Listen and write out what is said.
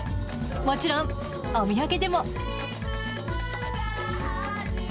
もちろんお土産でも。